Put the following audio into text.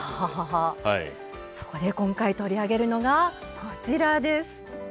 そこで今回取り上げるのがこちらです。